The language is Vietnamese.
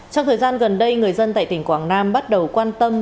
trong thời gian gần đây người dân tại tỉnh quảng nam bắt đầu quan tâm